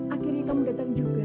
akhirnya kamu datang juga